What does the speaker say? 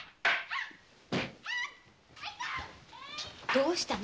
どうしたの？